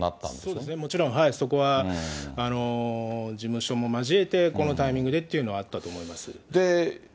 そうですね、もちろんそこは事務所も交えてこのタイミングでっていうのはあったと思います。